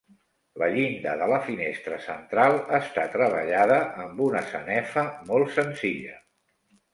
La llinda de la finestra central està treballada amb una sanefa molt senzilla.